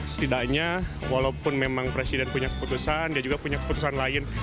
setidaknya walaupun memang presiden punya keputusan dia juga punya keputusan lain